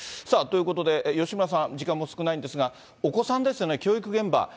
さあ、ということで、吉村さん、時間も少ないんですが、お子さんですよね、教育現場。